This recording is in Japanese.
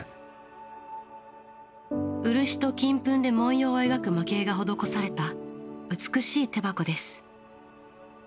漆と金粉で文様を描く蒔絵が施された美しい手箱です。